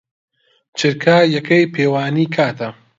چرکە یەکەی پێوانی کاتە.